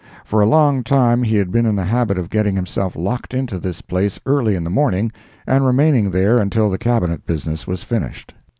For a long time he had been in the habit of getting himself locked into this place early in the morning, and remaining there until the Cabinet business was finished.